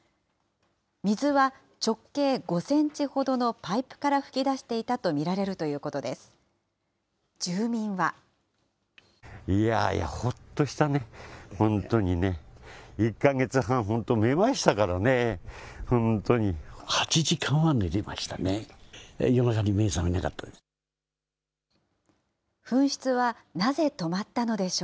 水は直径５センチなどのパイプから噴き出していたとみられるということです。